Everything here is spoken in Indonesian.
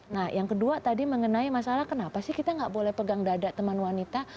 nah yang kedua tadi mengenai masalah kenapa sih kita nggak boleh pegang dada teman wanita